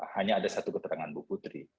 hanya ada satu keterangan bu putri